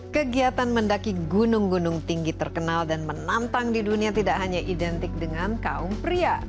kegiatan mendaki gunung gunung tinggi terkenal dan menantang di dunia tidak hanya identik dengan kaum pria